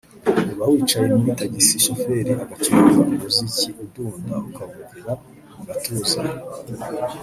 uba wicaye muri tagisi shoferi agacuranga umuziki udunda ukawumvira mu gatuza